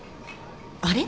あれ？